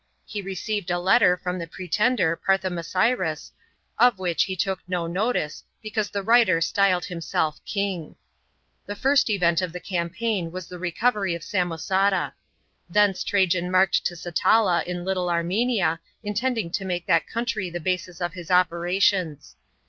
he received a letter from the pretender Parthomasiris, of which he took no notice, because the writer styled himself "king." The first event of the campaign was the recovery of Samosata. Thence Trajan marched to Satala in Little Armenia, intending to make that country the basis of his operations.